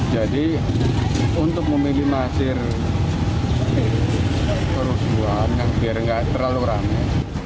jadi untuk memiliki masir perusuhan yang biar tidak terlalu rame